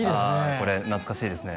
これ懐かしいですね